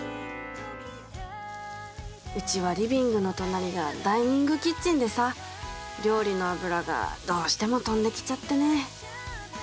うちはリビングの隣がダイニングキッチンでさ料理の油がどうしても飛んできちゃってね。